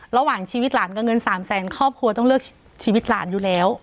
ระหว่างชีวิตหลานกับเงิน๓แสนครอบครัวต้องเลือกชีวิตหลานอยู่แล้ว